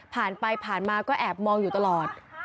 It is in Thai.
ผ่านไปผ่านมาก็แอบมองอยู่ตลอด